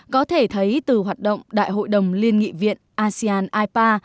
có thể thấy từ hoạt động đại hội đồng liên nghị viện asean ipa